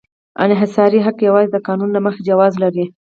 انحصاري حق یوازې د قانون له مخې جواز لري.